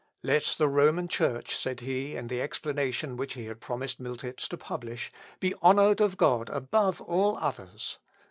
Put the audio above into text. "Let the Roman Church," said he in the explanation which he had promised Miltitz to publish, "be honoured of God above all others.